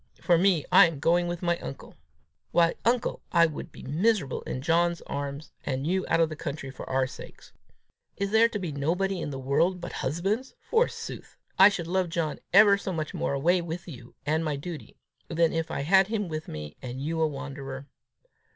For me, I am going with my uncle. Why, uncle, I should be miserable in John's very arms and you out of the country for our sakes! Is there to be nobody in the world but husbands, forsooth! I should love John ever so much more away with you and my duty, than if I had him with me, and you a wanderer.